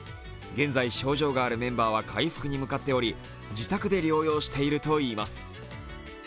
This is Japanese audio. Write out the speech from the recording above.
現在、症状があるメンバーは回復に向かっており、自宅で療養しているといいます。